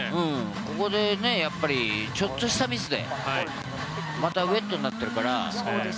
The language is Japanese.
ここでちょっとしたミスでまたウェットになっているから。